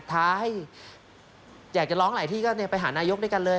ท้าให้อยากจะร้องหลายที่ก็ไปหานายกด้วยกันเลย